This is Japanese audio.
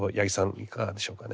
いかがでしょうかね。